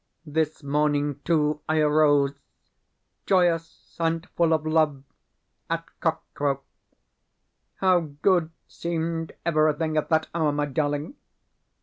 This morning, too, I arose (joyous and full of love) at cockcrow. How good seemed everything at that hour, my darling!